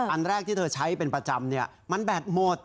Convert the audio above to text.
อันแรกที่เธอใช้เป็นประจำมันแบตหมด